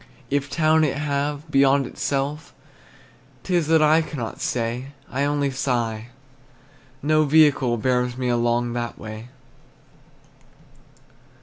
If town it have, beyond itself, 'T is that I cannot say; I only sigh, no vehicle Bears me along that way.